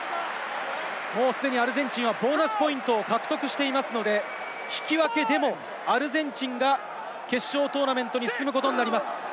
もう既にアルゼンチンはボーナスポイントを獲得しているので、引き分けでもアルゼンチンが決勝トーナメントに進むことになります。